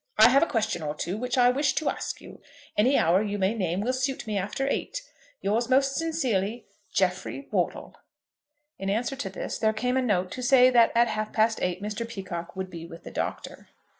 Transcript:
I have a question or two which I wish to ask you. Any hour you may name will suit me after eight. Yours most sincerely, "JEFFREY WORTLE." In answer to this there came a note to say that at half past eight Mr. Peacocke would be with the Doctor.